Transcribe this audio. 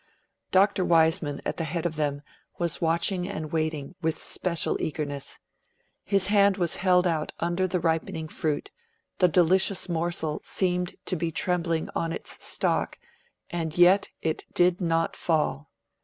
Dr. Wiseman, at the head of them, was watching and waiting with special eagerness. His hand was held out under the ripening fruit; the delicious morsel seemed to be trembling on its stalk; and yet it did not fall.